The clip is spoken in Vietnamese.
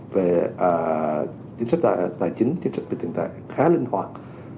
về chính sách tài chính chính sách về tiền tài khá linh hoạt